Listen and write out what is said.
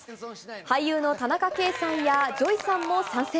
俳優の田中圭さんやＪＯＹさんも参戦。